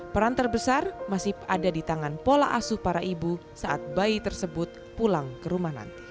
peran terbesar masih ada di tangan pola asuh para ibu saat bayi tersebut pulang ke rumah nanti